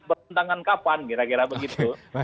bertentangan kapan kira kira begitu